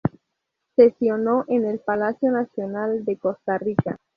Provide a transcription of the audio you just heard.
Sesionó en el Palacio Nacional de Costa Rica.